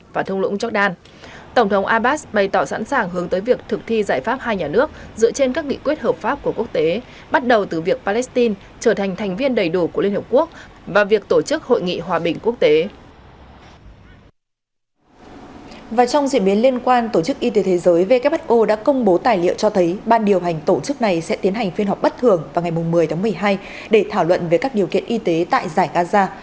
who đã công bố tài liệu cho thấy ban điều hành tổ chức này sẽ tiến hành phiên họp bất thường vào ngày một mươi một mươi hai để thảo luận về các điều kiện y tế tại giải gaza